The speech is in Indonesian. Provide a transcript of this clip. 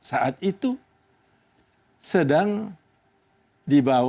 yang saat itu sedang dibatasi